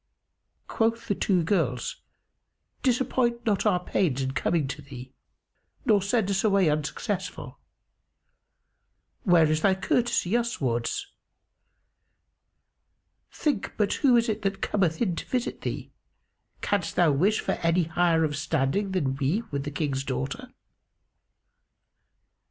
Quoth the two girls, "Disappoint not our pains in coming to thee nor send us away unsuccessful. Where is thy courtesy uswards? Think but who it is that cometh in to visit thee: canst thou wish for any higher of standing than we with the King's daughter?"